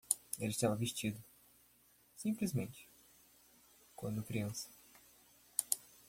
Ele estava vestido, simplesmente, quando criança.